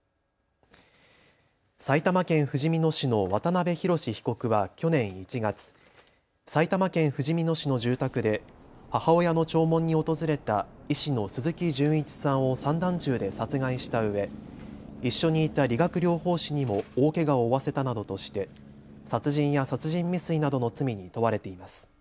埼玉県ふじみ野市の渡邊宏被告は去年１月、埼玉県ふじみ野市の住宅で母親の弔問に訪れた医師の鈴木純一さんを散弾銃で殺害したうえ一緒にいた理学療法士にも大けがを負わせたなどとして殺人や殺人未遂などの罪に問われています。